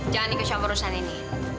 jangan dikesamurusan ini